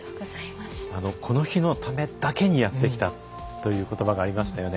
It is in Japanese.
この日のためだけにやってきたということばがありましたよね。